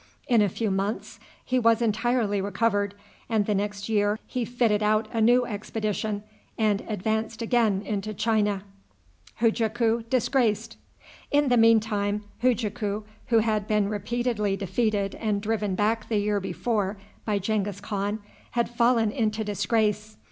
In a few months he was entirely recovered, and the next year he fitted out a new expedition, and advanced again into China. In the mean time, Hujaku, who had been repeatedly defeated and driven back the year before by Genghis Khan, had fallen into disgrace.